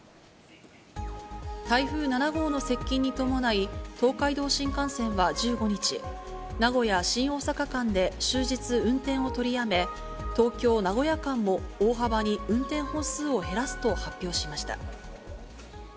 台風７号の接近に伴い、東海道新幹線は１５日、名古屋・新大阪間で終日運転を取りやめ、東京・名古屋間も大幅に運転本数を減らすと発表しました。